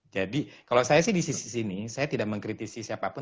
jadi kalau saya sih di sisi sini saya tidak mengkritisi siapapun